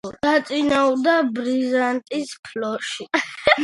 დაწინაურდა ბიზანტიის ფლოტში.